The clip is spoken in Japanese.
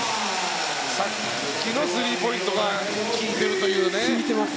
さっきのスリーポイントが利いているという。